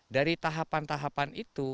dari tahapan tahapan itu